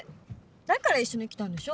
だから一緒に来たんでしょ。